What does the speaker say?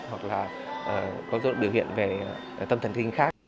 hoặc là có dấu loạn biểu hiện về tâm thần kinh khác